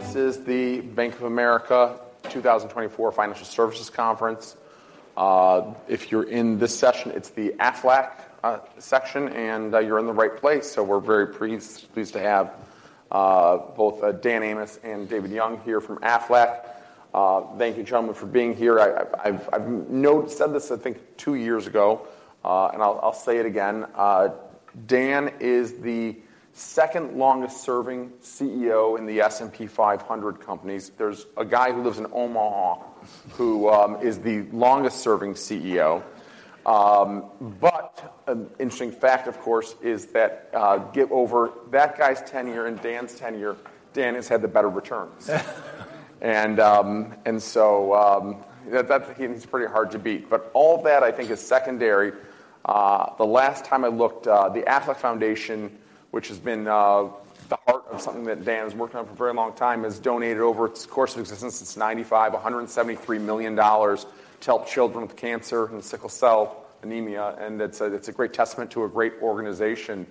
This is the Bank of America 2024 Financial Services Conference. If you're in this session, it's the Aflac section, and you're in the right place. So we're very pleased, pleased to have both Dan Amos and David Young here from Aflac. Thank you, gentlemen, for being here. I've said this, I think, two years ago, and I'll say it again. Dan is the second longest-serving CEO in the S&P 500 companies. There's a guy who lives in Omaha who is the longest-serving CEO. But an interesting fact, of course, is that, given over that guy's tenure and Dan's tenure, Dan has had the better returns. And so, that's—he's pretty hard to beat. But all that, I think, is secondary. The last time I looked, the Aflac Foundation, which has been the heart of something that Dan has worked on for a very long time, has donated, over its course of existence since 1995, $173 million to help children with cancer and sickle cell anemia, and it's a great testament to a great organization.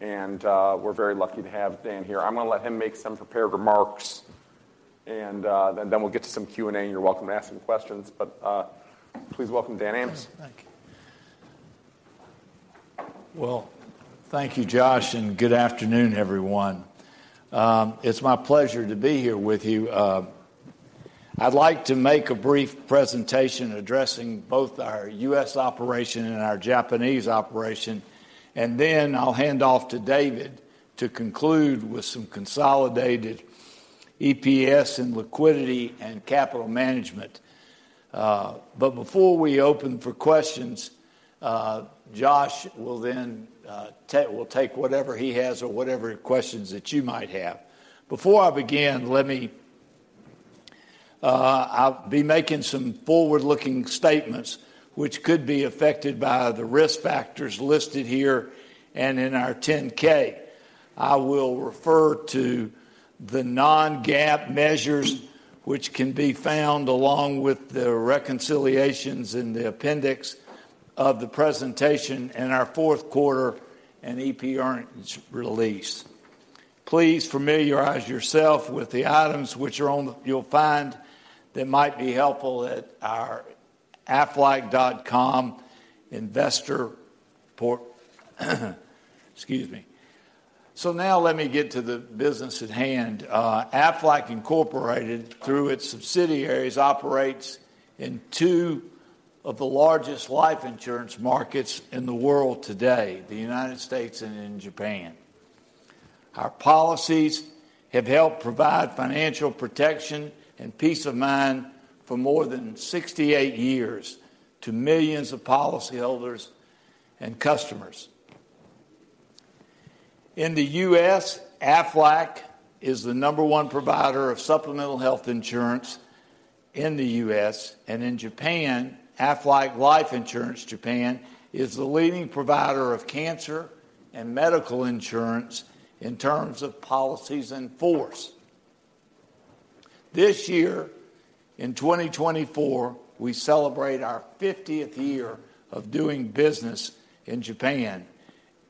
We're very lucky to have Dan here. I'm gonna let him make some prepared remarks, and then we'll get to some Q&A, and you're welcome to ask him questions. But please welcome Dan Amos. Thank you. Well, thank you, Josh, and good afternoon, everyone. It's my pleasure to be here with you. I'd like to make a brief presentation addressing both our U.S. operation and our Japanese operation, and then I'll hand off to David to conclude with some consolidated EPS and liquidity and capital management. But before we open for questions, Josh will then take whatever he has or whatever questions that you might have. Before I begin, I'll be making some forward-looking statements which could be affected by the risk factors listed here and in our 10-K. I will refer to the non-GAAP measures, which can be found along with the reconciliations in the appendix of the presentation and our fourth quarter and EP earnings release. So now let me get to the business at hand. Aflac Incorporated, through its subsidiaries, operates in two of the largest life insurance markets in the world today: the United States and in Japan. Our policies have helped provide financial protection and peace of mind for more than 68 years to millions of policyholders and customers. In the U.S., Aflac is the number one provider of supplemental health insurance in the U.S., and in Japan, Aflac Life Insurance Japan is the leading provider of cancer and medical insurance in terms of policies in force. This year, in 2024, we celebrate our 50th year of doing business in Japan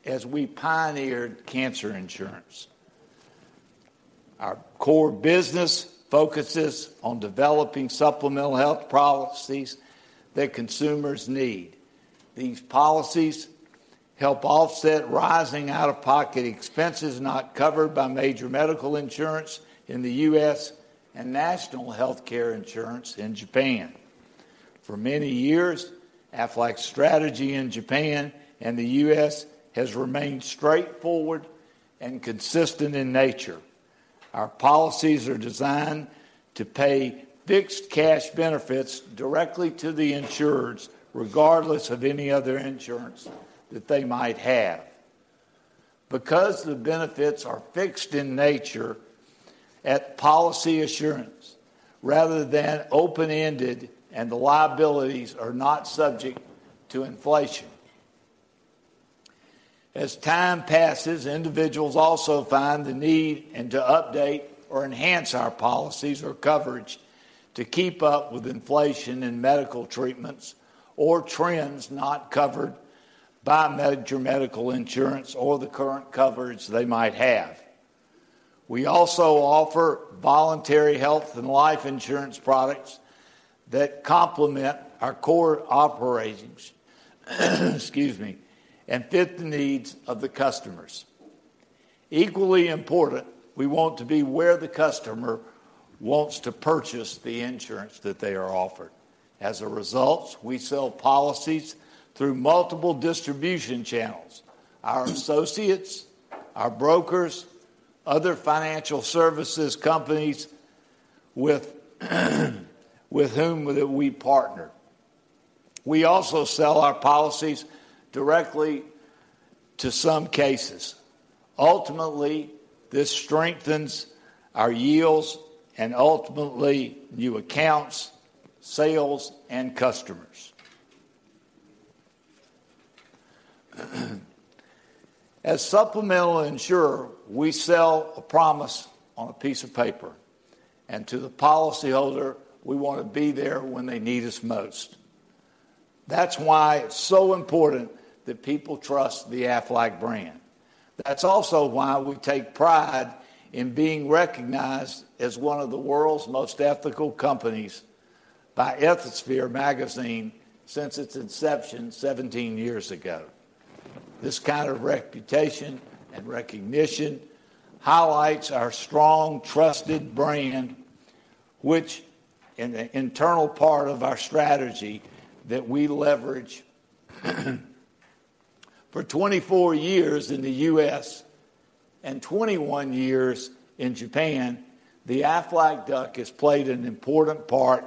as we pioneered cancer insurance. Our core business focuses on developing supplemental health policies that consumers need. These policies help offset rising out-of-pocket expenses not covered by major medical insurance in the U.S. and national healthcare insurance in Japan. For many years, Aflac's strategy in Japan and the U.S. has remained straightforward and consistent in nature. Our policies are designed to pay fixed cash benefits directly to the insureds, regardless of any other insurance that they might have. Because the benefits are fixed in nature at policy assurance rather than open-ended, and the liabilities are not subject to inflation. As time passes, individuals also find the need and to update or enhance our policies or coverage to keep up with inflation in medical treatments or trends not covered by major medical insurance or the current coverage they might have. We also offer voluntary health and life insurance products that complement our core operations, excuse me, and fit the needs of the customers. Equally important, we want to be where the customer wants to purchase the insurance that they are offered. As a result, we sell policies through multiple distribution channels: our associates, our brokers, other financial services companies with whom we partner. We also sell our policies directly in some cases. Ultimately, this strengthens our field and ultimately, new accounts, sales, and customers. As a supplemental insurer, we sell a promise on a piece of paper, and to the policyholder, we want to be there when they need us most. That's why it's so important that people trust the Aflac brand. That's also why we take pride in being recognized as one of the world's most ethical companies by Ethisphere since its inception 17 years ago. This kind of reputation and recognition highlights our strong, trusted brand, which is the integral part of our strategy that we leverage. For 24 years in the U.S. and 21 years in Japan, the Aflac Duck has played an important part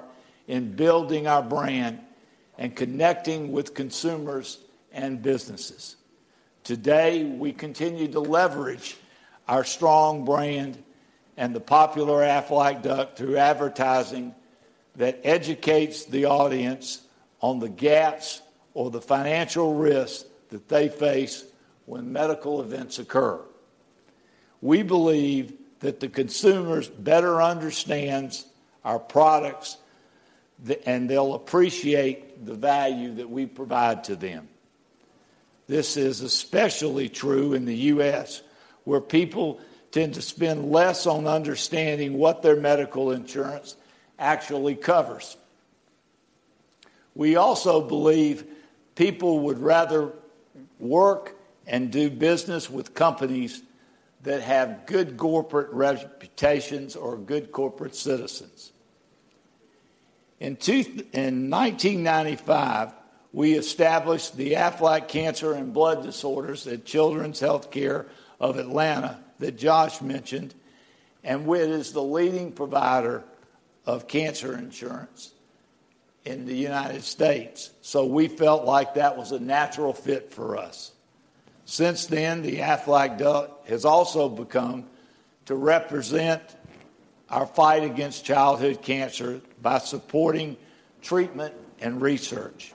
in building our brand and connecting with consumers and businesses. Today, we continue to leverage our strong brand and the popular Aflac Duck through advertising that educates the audience on the gaps or the financial risks that they face when medical events occur. We believe that the consumers better understands our products, and they'll appreciate the value that we provide to them. This is especially true in the U.S., where people tend to spend less on understanding what their medical insurance actually covers. We also believe people would rather work and do business with companies that have good corporate reputations or good corporate citizens. In 1995, we established the Aflac Cancer and Blood Disorders Center at Children's Healthcare of Atlanta, that Josh mentioned, and we are the leading provider of cancer insurance in the United States, so we felt like that was a natural fit for us. Since then, the Aflac Duck has also come to represent our fight against childhood cancer by supporting treatment and research.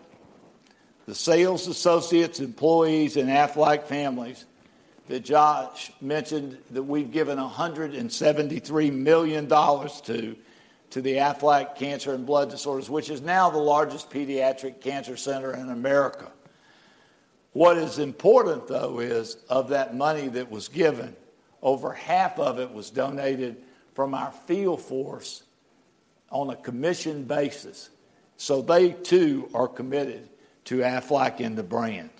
The sales associates, employees, and Aflac families, that Josh mentioned, that we've given $173 million to, to the Aflac Cancer and Blood Disorders Center, which is now the largest pediatric cancer center in America. What is important, though, is of that money that was given, over half of it was donated from our field force on a commission basis, so they too are committed to Aflac and the brand.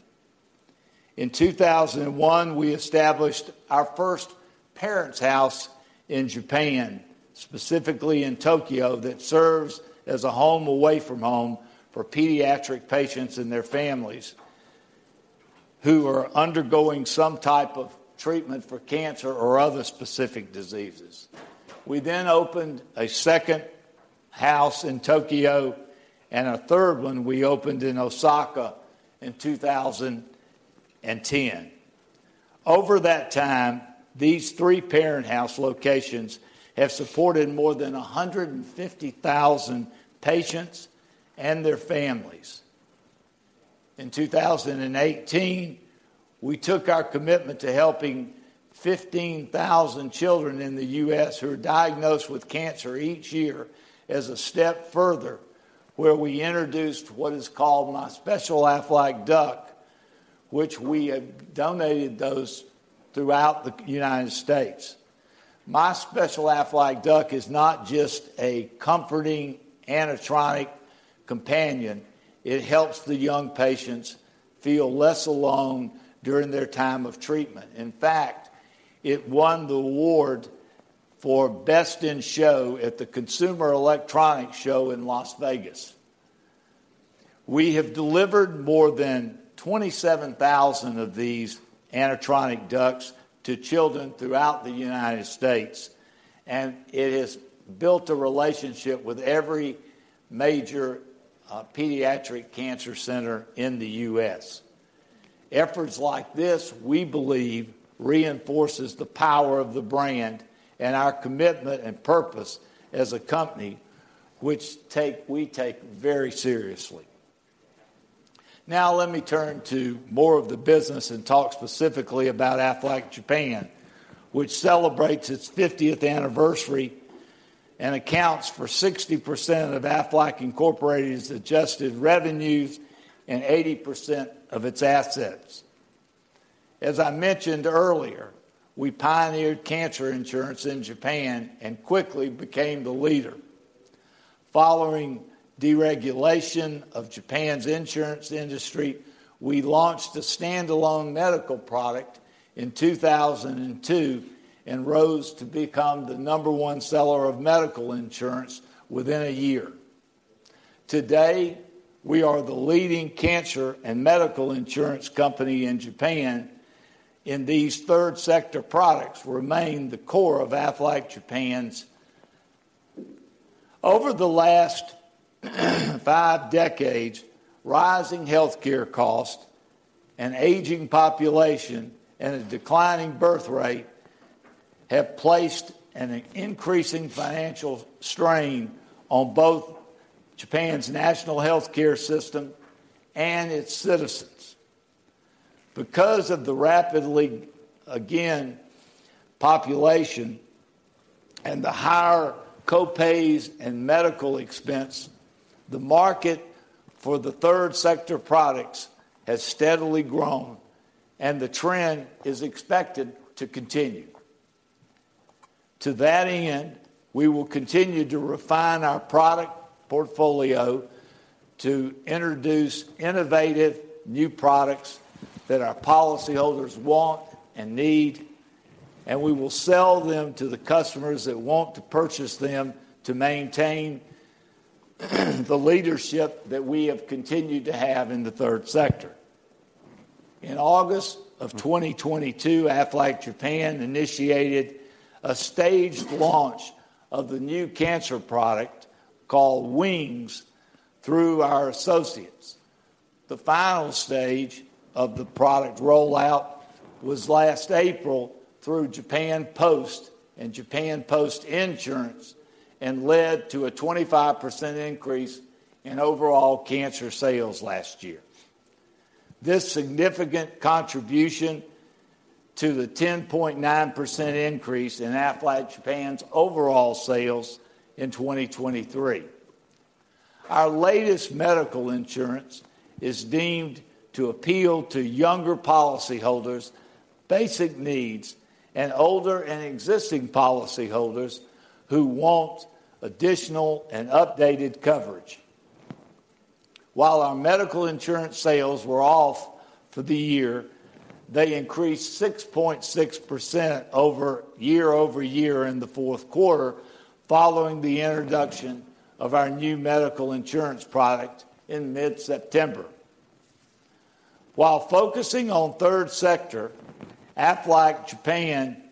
In 2001, we established our first Parents House in Japan, specifically in Tokyo, that serves as a home away from home for pediatric patients and their families who are undergoing some type of treatment for cancer or other specific diseases. We then opened a second house in Tokyo, and a third one we opened in Osaka in 2010. Over that time, these three Parents House locations have supported more than 150,000 patients and their families. In 2018, we took our commitment to helping 15,000 children in the U.S. who are diagnosed with cancer each year as a step further, where we introduced what is called My Special Aflac Duck, which we have donated those throughout the United States. My Special Aflac Duck is not just a comforting, animatronic companion. It helps the young patients feel less alone during their time of treatment. In fact, it won the award for Best in Show at the Consumer Electronics Show in Las Vegas. We have delivered more than 27,000 of these animatronic ducks to children throughout the United States, and it has built a relationship with every major pediatric cancer center in the U.S. Efforts like this, we believe, reinforces the power of the brand and our commitment and purpose as a company, which we take very seriously. Now let me turn to more of the business and talk specifically about Aflac Japan, which celebrates its 50th anniversary and accounts for 60% of Aflac Incorporated's adjusted revenues and 80% of its assets. As I mentioned earlier, we pioneered cancer insurance in Japan and quickly became the leader. Following deregulation of Japan's insurance industry, we launched a standalone medical product in 2002 and rose to become the number one seller of medical insurance within a year. Today, we are the leading cancer and medical insurance company in Japan, and these third sector products remain the core of Aflac Japan's. Over the last five decades, rising healthcare costs, an aging population, and a declining birth rate have placed an increasing financial strain on both Japan's national healthcare system and its citizens. Because of the rapidly aging population and the higher co-pays and medical expense, the market for the third sector products has steadily grown, and the trend is expected to continue. To that end, we will continue to refine our product portfolio to introduce innovative new products that our policyholders want and need, and we will sell them to the customers that want to purchase them to maintain the leadership that we have continued to have in the third sector. In August of 2022, Aflac Japan initiated a staged launch of the new cancer product called Wings through our associates. The final stage of the product rollout was last April through Japan Post and Japan Post Insurance, and led to a 25% increase in overall cancer sales last year. This significant contribution to the 10.9% increase in Aflac Japan's overall sales in 2023. Our latest medical insurance is deemed to appeal to younger policyholders' basic needs, and older and existing policyholders who want additional and updated coverage. While our medical insurance sales were off for the year, they increased 6.6% year-over-year in the fourth quarter, following the introduction of our new medical insurance product in mid-September. While focusing on third sector, Aflac Japan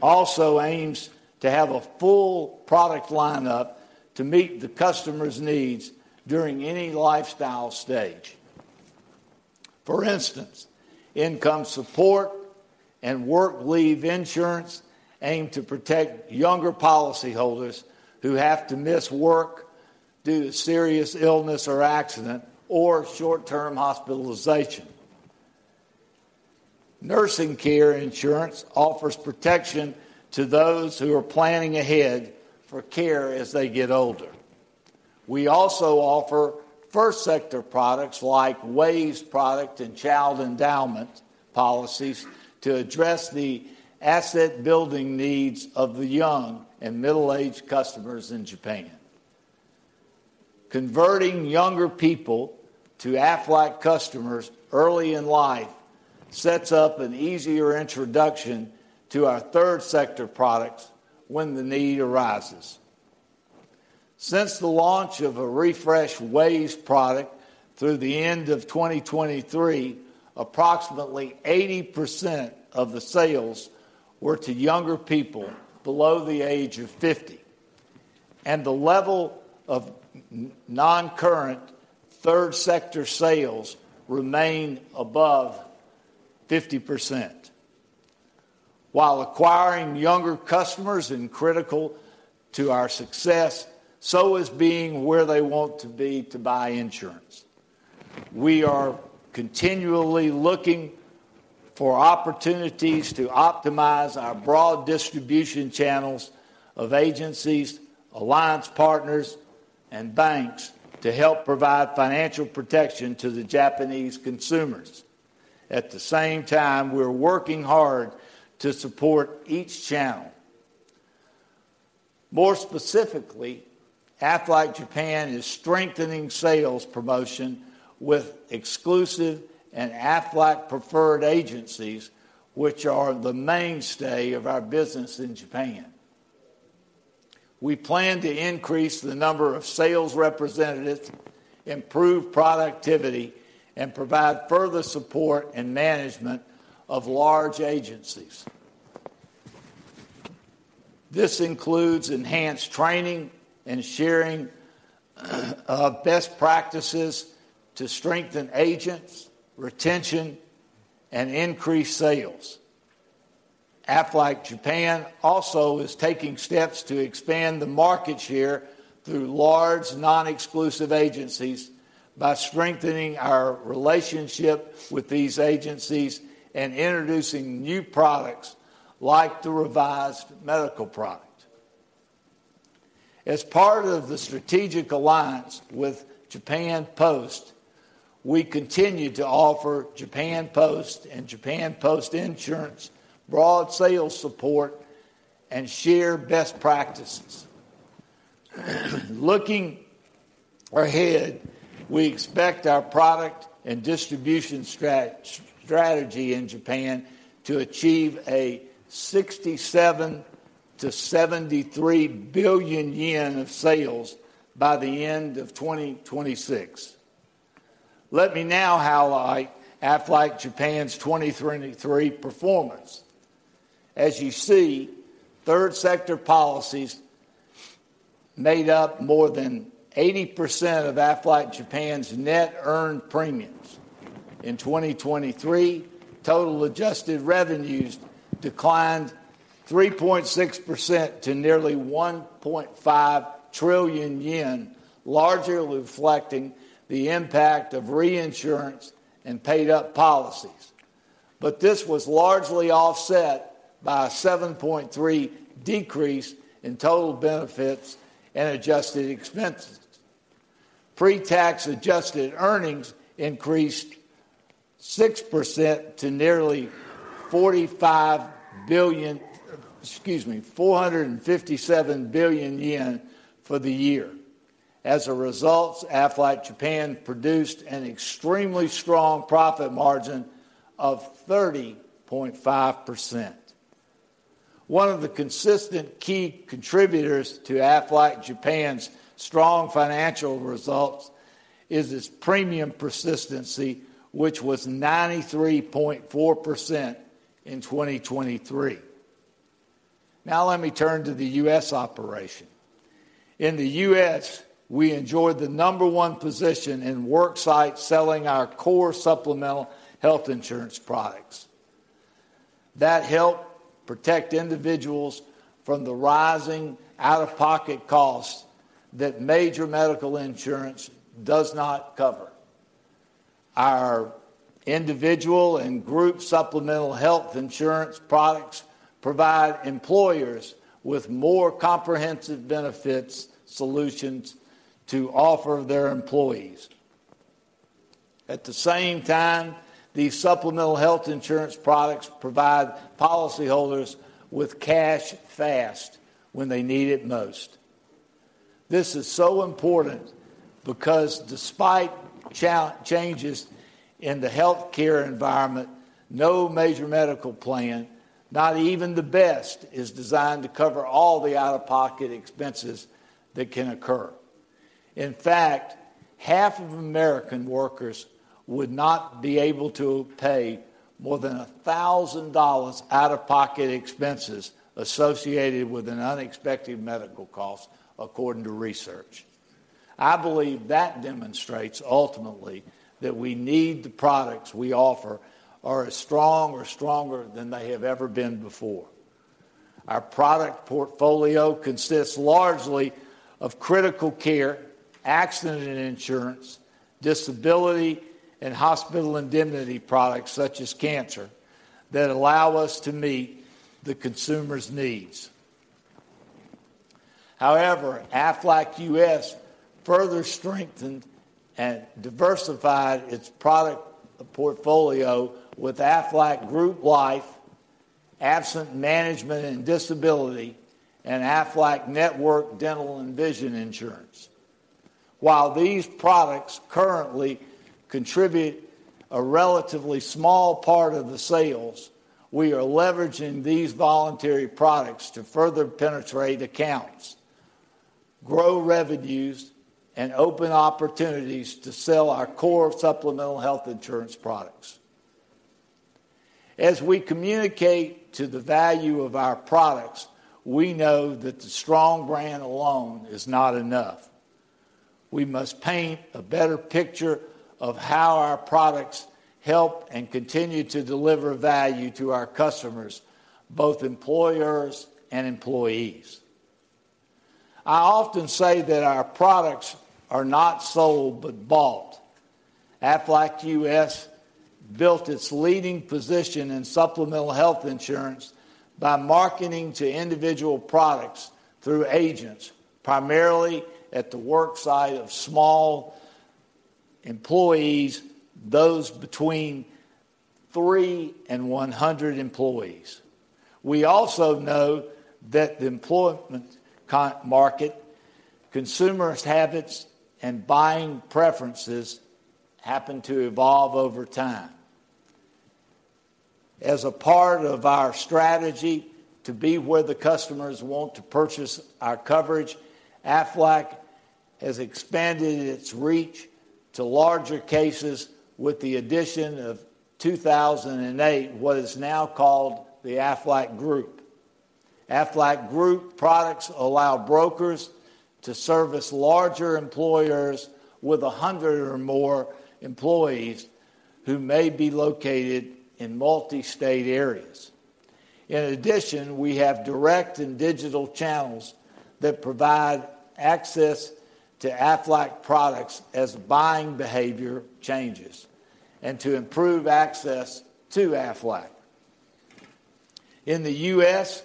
also aims to have a full product lineup to meet the customers' needs during any lifestyle stage. For instance, income support and work leave insurance aim to protect younger policyholders who have to miss work due to serious illness or accident, or short-term hospitalization. Nursing care insurance offers protection to those who are planning ahead for care as they get older. We also offer first sector products like WAYS product and child endowment policies to address the asset-building needs of the young and middle-aged customers in Japan. Converting younger people to Aflac customers early in life sets up an easier introduction to our third sector products when the need arises. Since the launch of a refreshed WAYS product through the end of 2023, approximately 80% of the sales were to younger people below the age of 50, and the level of non-current third sector sales remain above 50%. While acquiring younger customers is critical to our success, so is being where they want to be to buy insurance. We are continually looking for opportunities to optimize our broad distribution channels of agencies, alliance partners, and banks to help provide financial protection to the Japanese consumers. At the same time, we're working hard to support each channel. More specifically, Aflac Japan is strengthening sales promotion with exclusive and Aflac preferred agencies, which are the mainstay of our business in Japan. We plan to increase the number of sales representatives, improve productivity, and provide further support and management of large agencies. This includes enhanced training and sharing best practices to strengthen agents' retention, and increase sales. Aflac Japan also is taking steps to expand the market share through large, non-exclusive agencies by strengthening our relationship with these agencies and introducing new products like the revised medical product. As part of the strategic alliance with Japan Post, we continue to offer Japan Post and Japan Post Insurance broad sales support and share best practices. Looking ahead, we expect our product and distribution strategy in Japan to achieve 67 billion-73 billion yen of sales by the end of 2026. Let me now highlight Aflac Japan's 2023 performance. As you see, third sector policies made up more than 80% of Aflac Japan's net earned premiums. In 2023, total adjusted revenues declined 3.6% to nearly 1.5 trillion yen, largely reflecting the impact of reinsurance and paid up policies. But this was largely offset by a 7.3% decrease in total benefits and adjusted expenses. Pre-tax adjusted earnings increased 6% to nearly 45 billion, excuse me, 457 billion yen for the year. As a result, Aflac Japan produced an extremely strong profit margin of 30.5%. One of the consistent key contributors to Aflac Japan's strong financial results is its premium persistency, which was 93.4% in 2023. Now, let me turn to the U.S. operation. In the U.S., we enjoyed the number one position in worksite, selling our core supplemental health insurance products. That help protect individuals from the rising out-of-pocket costs that major medical insurance does not cover. Our individual and group supplemental health insurance products provide employers with more comprehensive benefits solutions to offer their employees. At the same time, these supplemental health insurance products provide policyholders with cash fast when they need it most. This is so important because despite changes in the healthcare environment, no major medical plan, not even the best, is designed to cover all the out-of-pocket expenses that can occur. In fact, half of American workers would not be able to pay more than $1,000 out-of-pocket expenses associated with an unexpected medical cost, according to research. I believe that demonstrates ultimately, that we need the products we offer are as strong or stronger than they have ever been before. Our product portfolio consists largely of critical care, accident and insurance, disability, and hospital indemnity products, such as cancer, that allow us to meet the consumer's needs. However, Aflac U.S. further strengthened and diversified its product portfolio with Aflac Group Life, Absence Management and Disability, and Aflac Network Dental and Vision Insurance. While these products currently contribute a relatively small part of the sales, we are leveraging these voluntary products to further penetrate accounts, grow revenues, and open opportunities to sell our core supplemental health insurance products. As we communicate the value of our products, we know that the strong brand alone is not enough. We must paint a better picture of how our products help and continue to deliver value to our customers, both employers and employees. I often say that our products are not sold, but bought. Aflac U.S. built its leading position in supplemental health insurance by marketing individual products through agents, primarily at the worksite of small employers, those between three and 100 employees. We also know that the employment market, consumer habits, and buying preferences happen to evolve over time. As a part of our strategy to be where the customers want to purchase our coverage, Aflac has expanded its reach to larger cases with the addition of 2008, what is now called the Aflac Group. Aflac Group products allow brokers to service larger employers with 100 or more employees who may be located in multi-state areas. In addition, we have direct and digital channels that provide access to Aflac products as buying behavior changes, and to improve access to Aflac. In the U.S.,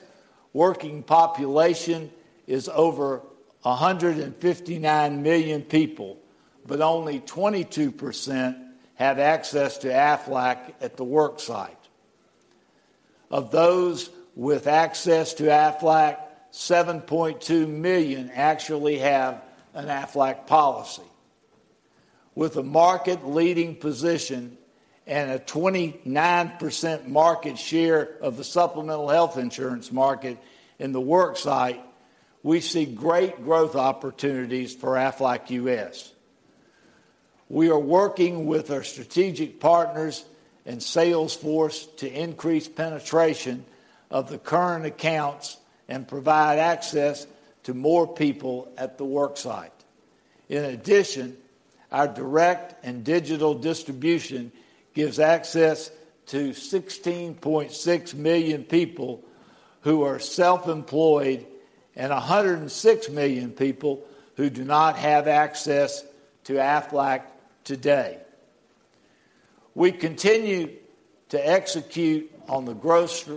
working population is over 159 million people, but only 22% have access to Aflac at the work site. Of those with access to Aflac, 7.2 million actually have an Aflac policy. With a market-leading position and a 29% market share of the supplemental health insurance market in the work site, we see great growth opportunities for Aflac U.S. We are working with our strategic partners and sales force to increase penetration of the current accounts and provide access to more people at the work site. In addition, our direct and digital distribution gives access to 16.6 million people who are self-employed and 106 million people who do not have access to Aflac today. We continue to execute on the growth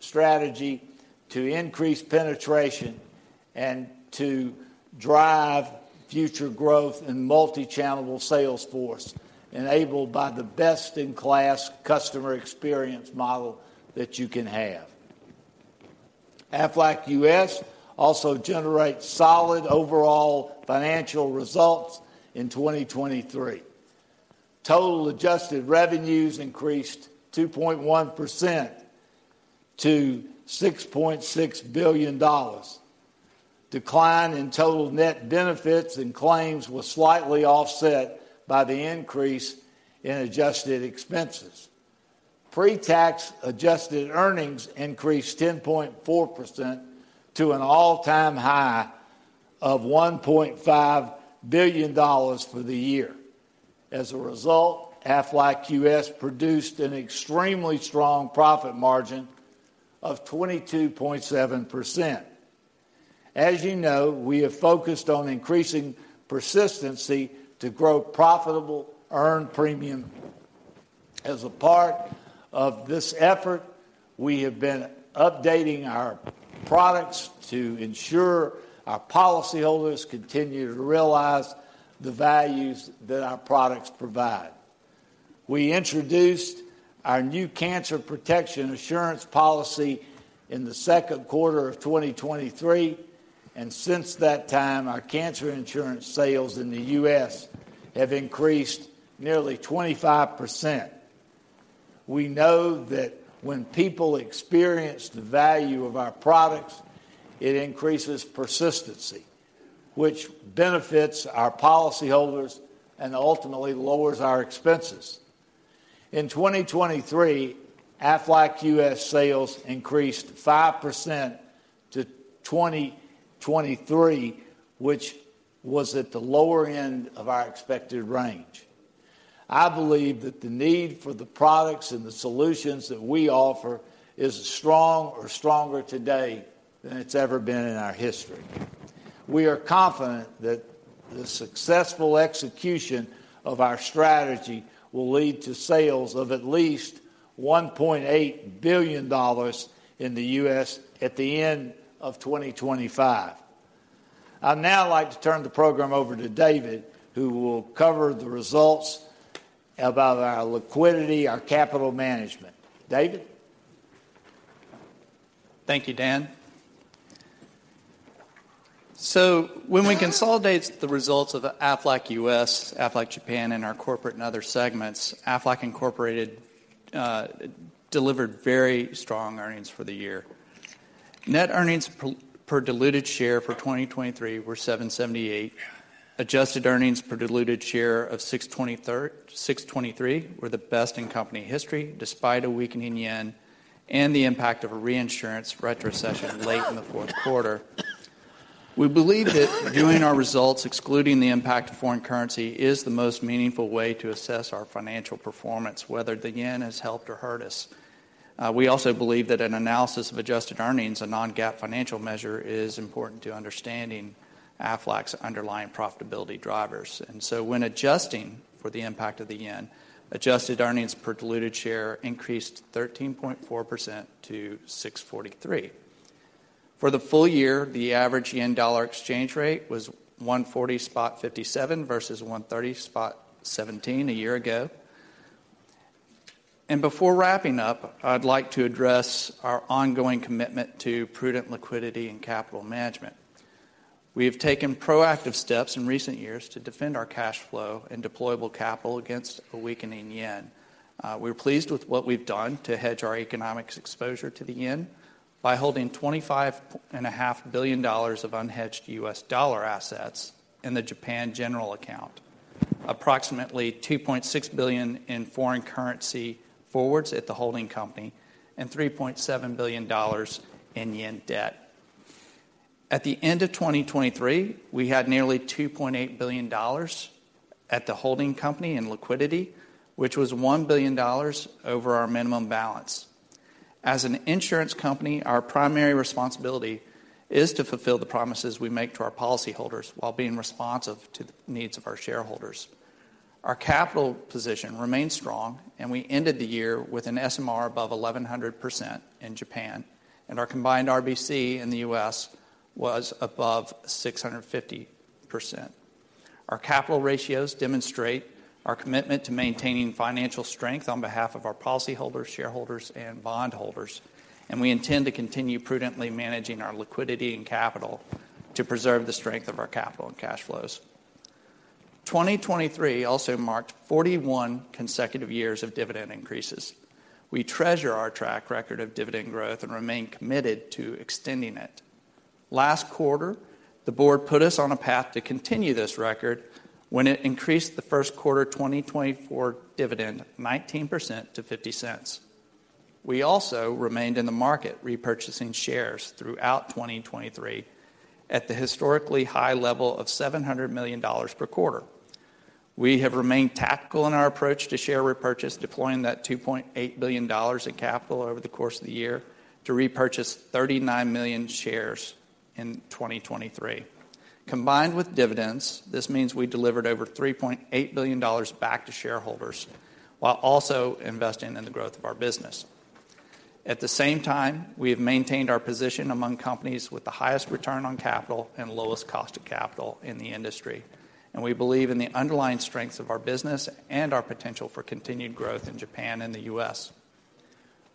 strategy to increase penetration and to drive future growth in multi-channel sales force, enabled by the best-in-class customer experience model that you can have. Aflac U.S. also generates solid overall financial results in 2023. Total adjusted revenues increased 2.1% to $6.6 billion. Decline in total net benefits and claims was slightly offset by the increase in adjusted expenses. Pre-tax adjusted earnings increased 10.4% to an all-time high of $1.5 billion for the year. As a result, Aflac U.S. produced an extremely strong profit margin of 22.7%. As you know, we have focused on increasing persistency to grow profitable earned premium. As a part of this effort, we have been updating our products to ensure our policyholders continue to realize the values that our products provide. We introduced our new Cancer Protection Assurance policy in the second quarter of 2023, and since that time, our cancer insurance sales in the U.S. have increased nearly 25%. We know that when people experience the value of our products, it increases persistency, which benefits our policyholders and ultimately lowers our expenses. In 2023, Aflac U.S. sales increased 5% to $2,023 million, which was at the lower end of our expected range. I believe that the need for the products and the solutions that we offer is as strong or stronger today than it's ever been in our history. We are confident that the successful execution of our strategy will lead to sales of at least $1.8 billion in the U.S. at the end of 2025. I'd now like to turn the program over to David, who will cover the results about our liquidity, our capital management. David? Thank you, Dan. So when we consolidate the results of Aflac U.S., Aflac Japan, and our corporate and other segments, Aflac Incorporated delivered very strong earnings for the year. Net earnings per diluted share for 2023 were $7.78. Adjusted earnings per diluted share of $6.23 were the best in company history, despite a weakening yen and the impact of a reinsurance retrocession late in the fourth quarter. We believe that viewing our results, excluding the impact of foreign currency, is the most meaningful way to assess our financial performance, whether the yen has helped or hurt us. We also believe that an analysis of adjusted earnings, a non-GAAP financial measure, is important to understanding Aflac's underlying profitability drivers. And so when adjusting for the impact of the yen, adjusted earnings per diluted share increased 13.4% to $6.43. For the full year, the average yen-dollar exchange rate was 140.57 versus 130.17 a year ago. Before wrapping up, I'd like to address our ongoing commitment to prudent liquidity and capital management. We have taken proactive steps in recent years to defend our cash flow and deployable capital against a weakening yen. We're pleased with what we've done to hedge our economics exposure to the yen by holding $25.5 billion of unhedged U.S. dollar assets in the Japan General Account, approximately $2.6 billion in foreign currency forwards at the holding company, and $3.7 billion in yen debt. At the end of 2023, we had nearly $2.8 billion at the holding company in liquidity, which was $1 billion over our minimum balance. As an insurance company, our primary responsibility is to fulfill the promises we make to our policyholders while being responsive to the needs of our shareholders. Our capital position remains strong, and we ended the year with an SMR above 1,100% in Japan, and our combined RBC in the U.S. was above 650%. Our capital ratios demonstrate our commitment to maintaining financial strength on behalf of our policyholders, shareholders, and bondholders, and we intend to continue prudently managing our liquidity and capital to preserve the strength of our capital and cash flows. 2023 also marked 41 consecutive years of dividend increases. We treasure our track record of dividend growth and remain committed to extending it. Last quarter, the board put us on a path to continue this record when it increased the first quarter 2024 dividend 19% to $0.50. We also remained in the market, repurchasing shares throughout 2023 at the historically high level of $700 million per quarter. We have remained tactical in our approach to share repurchase, deploying that $2.8 billion in capital over the course of the year to repurchase 39 million shares in 2023. Combined with dividends, this means we delivered over $3.8 billion back to shareholders, while also investing in the growth of our business. At the same time, we have maintained our position among companies with the highest return on capital and lowest cost of capital in the industry, and we believe in the underlying strengths of our business and our potential for continued growth in Japan and the U.S.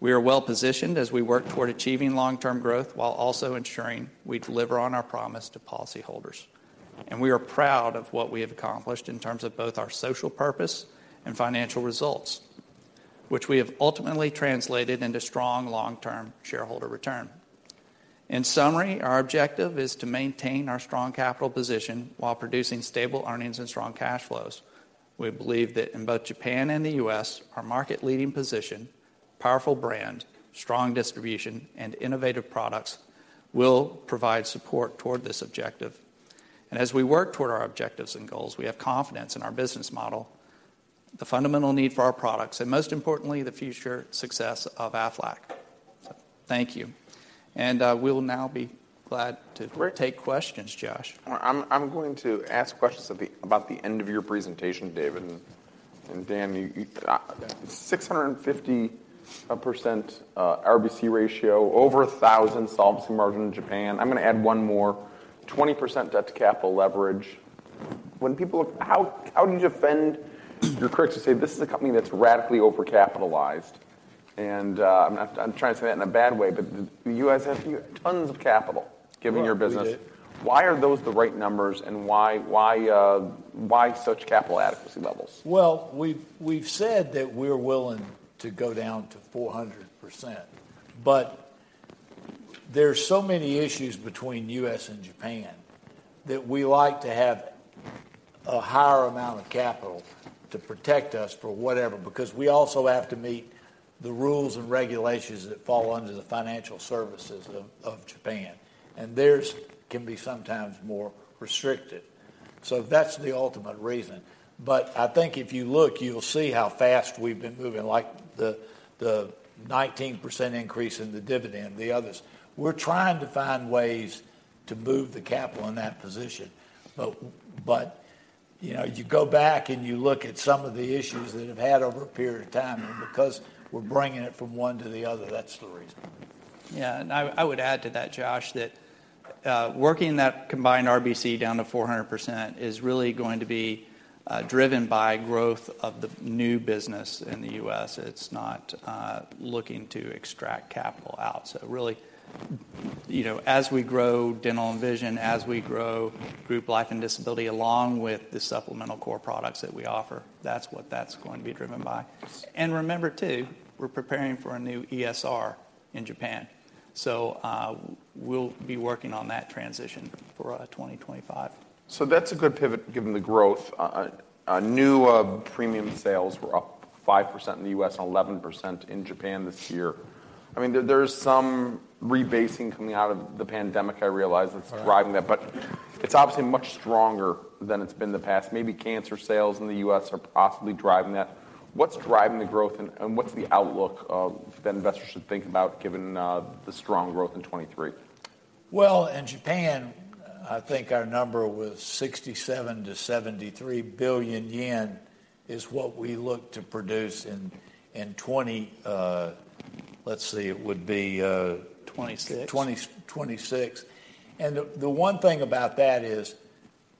We are well-positioned as we work toward achieving long-term growth, while also ensuring we deliver on our promise to policyholders. We are proud of what we have accomplished in terms of both our social purpose and financial results, which we have ultimately translated into strong long-term shareholder return. In summary, our objective is to maintain our strong capital position while producing stable earnings and strong cash flows. We believe that in both Japan and the U.S., our market-leading position, powerful brand, strong distribution, and innovative products will provide support toward this objective. As we work toward our objectives and goals, we have confidence in our business model, the fundamental need for our products, and most importantly, the future success of Aflac. Thank you, and we'll now be glad to take questions, Josh. I'm going to ask questions at the end of your presentation, David. And Dan, you 650% RBC ratio, over 1,000 solvency margin in Japan. I'm gonna add one more, 20% debt to capital leverage. When people, how do you defend your critics who say, "This is a company that's radically overcapitalized?" And I'm not trying to say that in a bad way, but you guys have tons of capital, given your business. Well, we do. Why are those the right numbers, and why, why, why such capital adequacy levels? Well, we've said that we're willing to go down to 400%, but there are so many issues between U.S. and Japan, that we like to have a higher amount of capital to protect us for whatever, because we also have to meet the rules and regulations that fall under the financial services of Japan, and theirs can be sometimes more restrictive. So that's the ultimate reason. But I think if you look, you'll see how fast we've been moving, like the 19% increase in the dividend and the others. We're trying to find ways to move the capital in that position. But you know, you go back and you look at some of the issues that we've had over a period of time, and because we're bringing it from one to the other, that's the reason. Yeah, and I, I would add to that, Josh, that, working that combined RBC down to 400% is really going to be, driven by growth of the new business in the U.S. It's not, looking to extract capital out. So really, you know, as we grow dental and vision, as we grow group life and disability, along with the supplemental core products that we offer, that's what that's going to be driven by. And remember, too, we're preparing for a new ESR in Japan, so, we'll be working on that transition for, 2025. That's a good pivot, given the growth. New premium sales were up 5% in the U.S. and 11% in Japan this year. I mean, there's some rebasing coming out of the pandemic, I realize that's driving but it's obviously much stronger than it's been in the past. Maybe cancer sales in the U.S. are possibly driving that. What's driving the growth, and what's the outlook that investors should think about, given the strong growth in 2023? Well, in Japan, I think our number was 67 billion-73 billion yen is what we look to produce in, in 20, let's see, it would be, 26 2026. And the one thing about that is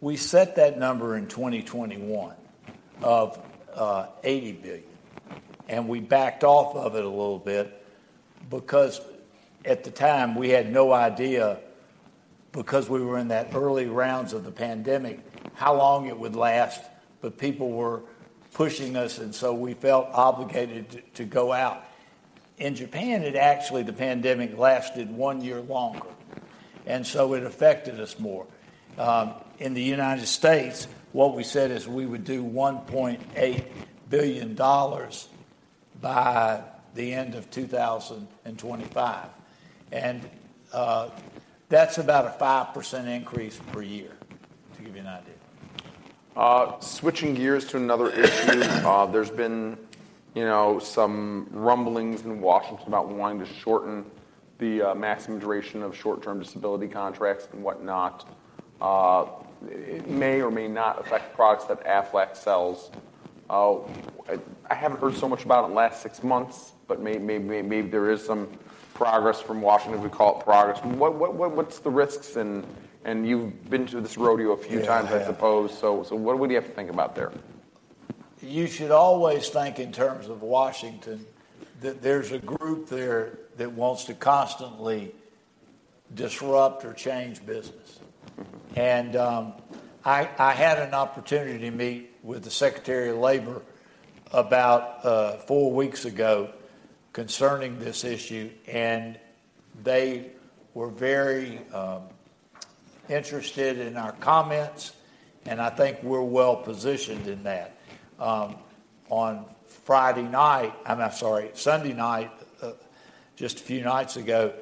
we set that number in 2021 of 80 billion, and we backed off of it a little bit because at the time we had no idea, because we were in that early rounds of the pandemic, how long it would last, but people were pushing us, and so we felt obligated to go out. In Japan, actually, the pandemic lasted one year longer, and so it affected us more. In the United States, what we said is we would do $1.8 billion by the end of 2025, and that's about a 5% increase per year, to give you an idea. Switching gears to another issue. There's been, you know, some rumblings in Washington, D.C. about wanting to shorten the maximum duration of short-term disability contracts and whatnot. It may or may not affect the products that Aflac sells. I haven't heard so much about it in the last six months, but maybe there is some progress from Washington, D.C., we call it progress. What's the risks, and you've been to this rodeo a few times. Yeah I suppose, so what would you have to think about there? You should always think in terms of Washington, D.C., that there's a group there that wants to constantly disrupt or change business. I had an opportunity to meet with the Secretary of Labor about four weeks ago concerning this issue, and they were very interested in our comments, and I think we're well positioned in that. On Friday night, I'm sorry, Sunday night, just a few nights ago,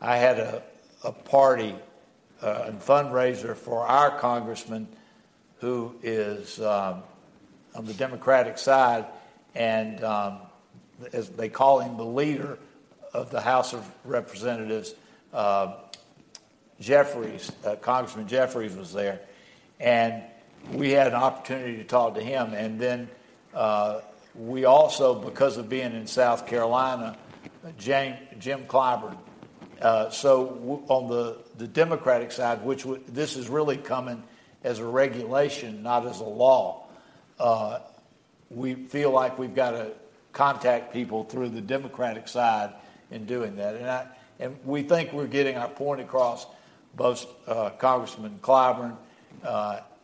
I had a party and fundraiser for our congressman, who is on the Democratic side, and, as they call him, the leader of the House of Representatives, Jeffries, Congressman Jeffries was there, and we had an opportunity to talk to him. We also, because of being in South Carolina, Jim Clyburn, so on the Democratic side, which this is really coming as a regulation, not as a law, we feel like we've got to contact people through the Democratic side in doing that, and we think we're getting our point across. Both Congressman Clyburn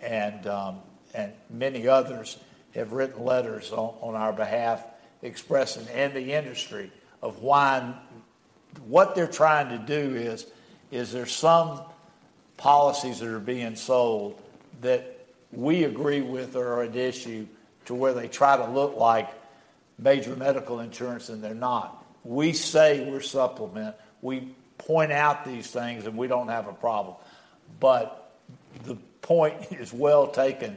and many others have written letters on our behalf expressing an understanding of why. What they're trying to do is there's some policies that are being sold that we agree with or are at issue to where they try to look like major medical insurance, and they're not. We say we're supplemental. We point out these things, and we don't have a problem, but the point is well taken.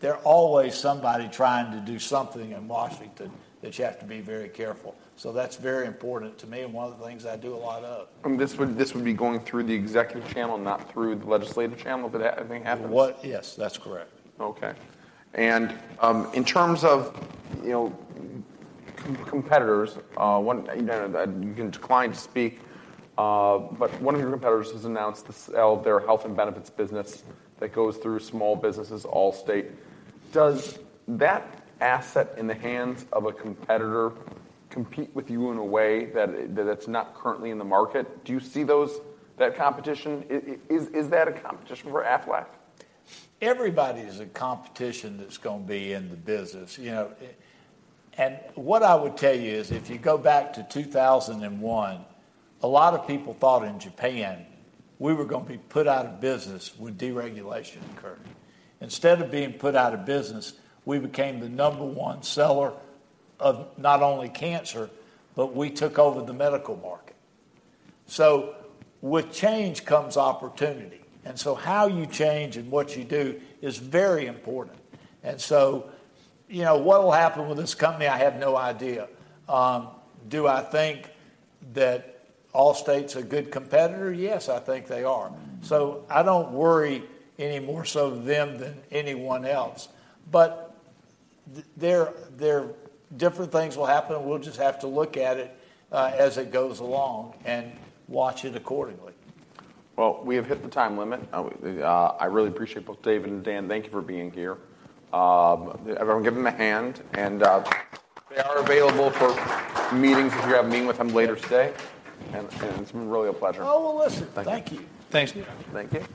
There's always somebody trying to do something in Washington, D.C. that you have to be very careful. So that's very important to me and one of the things I do a lot of. This would be going through the executive channel, not through the legislative channel, if that everything happens? What? Yes, that's correct. Okay. And in terms of, you know, competitors, one, you know, you can decline to speak, but one of your competitors has announced to sell their health and benefits business that goes through small businesses, Allstate. Does that asset in the hands of a competitor compete with you in a way that it's not currently in the market? Do you see that competition? Is that a competition for Aflac? Everybody's a competitor that's gonna be in the business, you know, and what I would tell you is, if you go back to 2001, a lot of people thought in Japan we were gonna be put out of business when deregulation occurred. Instead of being put out of business, we became the number one seller of not only cancer, but we took over the medical market. So with change comes opportunity, and so how you change and what you do is very important. And so, you know, what will happen with this company? I have no idea. Do I think that Allstate's a good competitor? Yes, I think they are. Mm. So I don't worry any more so than anyone else. But there different things will happen, and we'll just have to look at it, as it goes along and watch it accordingly. Well, we have hit the time limit. I really appreciate both Dave and Dan. Thank you for being here. Everyone, give them a hand, and they are available for meetings if you have a meeting with them later today, and it's been really a pleasure. Oh, well, listen. Thank you. Thank you. Thanks. Thank you.